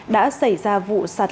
đã xảy ra vụ sạt